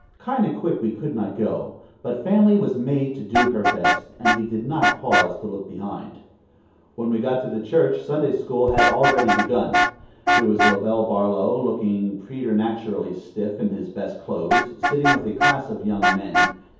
"Kind o' quick" we could not go, but Fanny was made to do her best, and we did not pause to look behind. When we got to the church Sunday school had already begun. There was Lovell Barlow looking preternaturally stiff in his best clothes, sitting with a class of young men.